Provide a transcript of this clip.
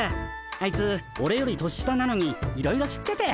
あいつオレより年下なのにいろいろ知ってて。